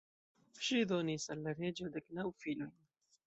Ŝi donis al la reĝo dek naŭ filojn.